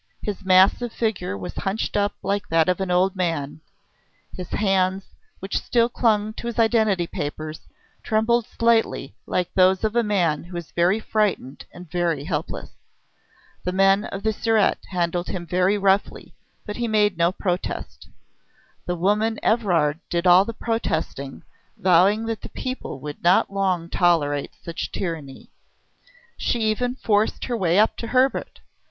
His massive figure was hunched up like that of an old man; his hands, which still clung to his identity papers, trembled slightly like those of a man who is very frightened and very helpless. The men of the Surete handled him very roughly, but he made no protest. The woman Evrard did all the protesting, vowing that the people would not long tolerate such tyranny. She even forced her way up to Hebert.